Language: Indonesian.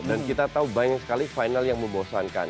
dan kita tahu banyak sekali final yang membosankan